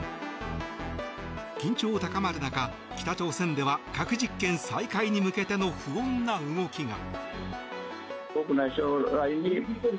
緊張高まる中、北朝鮮では核実験再開に向けての不穏な動きが。